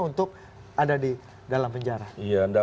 untuk ada di dalam penjara